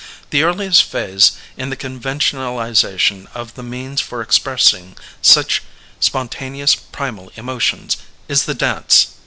The earliest phase in the convention alization of the means for expressing such spon taneous, primal emotions, is the dance.